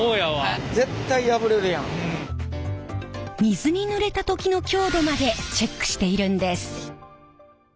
水にぬれた時の強度までチェックしているんです。